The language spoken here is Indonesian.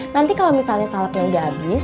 nanti kalo misalnya salepnya udah abis